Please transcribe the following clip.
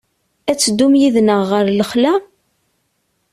Ad teddum yid-neɣ ɣer lexla?